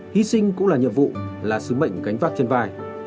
hy sinh cũng là nhiệm vụ là sứ mệnh gánh vác trên vai